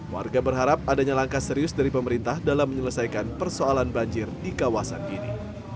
warga berharap adanya langkah serius dari pemerintah dalam menyelesaikan persoalan banjir di kawasan ini